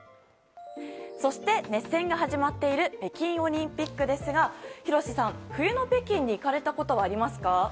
そして、熱戦が始まっている北京オリンピックですが廣瀬さん、冬の北京に行かれたことはありますか？